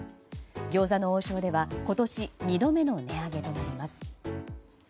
餃子の王将では今年２度目の値上げとなります。